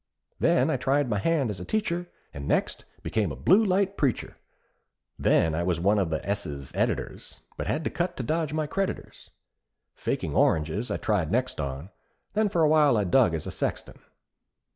Then I tried my hand as teacher, And next became a Blue Light preacher. Then I was one of the ——'s editors, But had to cut to dodge my creditors. Faking oranges I tried next on, Then for a while I dug as a sexton.